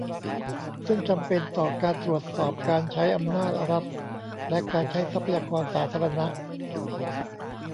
ซึ่งจำเป็นต่อการตรวจสอบการใช้อำนาจรัฐและการใช้ทรัพยากรสาธารณะ